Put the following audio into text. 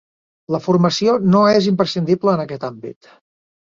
La formació no és imprescindible en aquest àmbit.